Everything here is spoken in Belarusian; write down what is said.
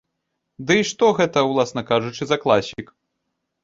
Ды і што гэта, уласна кажучы, за класік?